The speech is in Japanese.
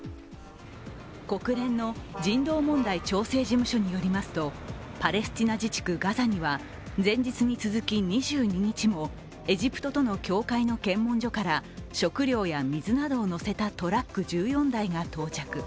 国連の人道問題調整事務所によりますとパレスチナ自治区ガザには前日に続き、２２日もエジプトとの境界の検問所から食料や水などを載せたトラック１４台が到着。